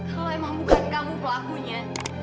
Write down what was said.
kalau emang bukan kamu pelakunya